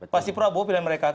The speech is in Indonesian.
pasti prabowo pilih mereka